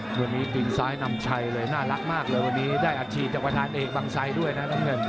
วันนี้ตินซ้ายนำชัยเลยน่ารักมากเลยวันนี้ได้อาชีพจากประธานเอกบังไซด์ด้วยนะน้ำเงิน